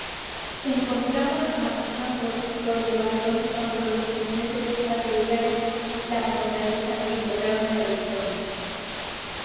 Se encontraba atacando Torrelobatón cuando los comuneros asediaron la fortaleza y lograron la victoria.